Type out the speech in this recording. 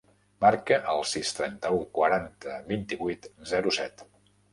Marca el sis, trenta-u, quaranta, vint-i-vuit, zero, set.